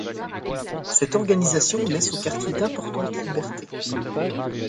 Cette organisation laisse aux quartiers d'importantes libertés.